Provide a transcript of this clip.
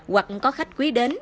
hoặc có khách quý đến